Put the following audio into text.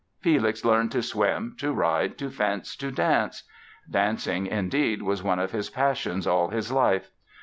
Felix learned to swim, to ride, to fence, to dance. Dancing, indeed, was one of his passions all his life.